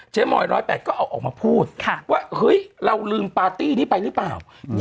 มอย๑๐๘ก็เอาออกมาพูดว่าเฮ้ยเราลืมปาร์ตี้นี้ไปหรือเปล่า